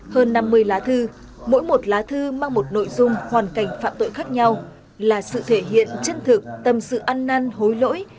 hơn năm mươi lá thư mỗi một lá thư mang một nội dung hoàn cảnh phạm tội khác nhau là sự thể hiện chân thực tâm sự ăn năn hối lỗi